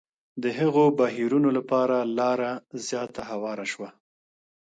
د هغو بهیرونو لپاره لاره زیاته هواره شوه.